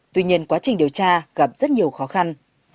tuy nhiên quá trình điều tra gặp rất nhiều khó khăn